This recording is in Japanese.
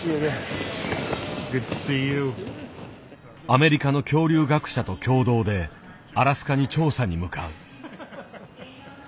アメリカの恐竜学者と共同でアラスカに調査に向かう。